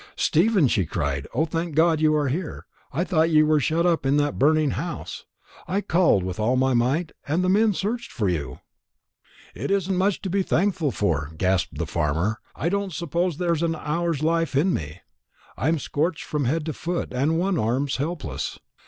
"Stephen!" she cried. "O, thank God you are here! I thought you were shut up in that burning house. I called with all my might, and the men searched for you." "It isn't much to be thankful for," gasped the farmer. "I don't suppose there's an hour's life in me; I'm scorched from head to foot, and one arm's helpless.